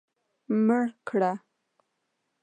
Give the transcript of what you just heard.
مړ کړه.